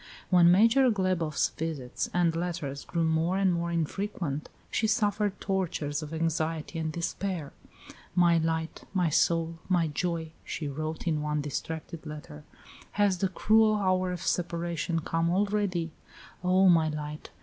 When Major Glebof's visits and letters grew more and more infrequent, she suffered tortures of anxiety and despair. "My light, my soul, my joy," she wrote in one distracted letter, "has the cruel hour of separation come already? O, my light!